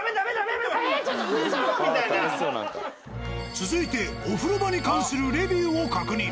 続いてお風呂場に関するレビューを確認。